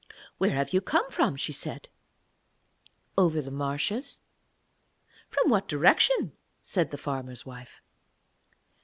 'Where have you come from?' she said. 'Over the marshes.' 'From what direction?' said the farmer's wife.